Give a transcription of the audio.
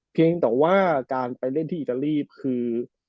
เพียงแต่ว่าการไปเล่นที่อิตาลีคือ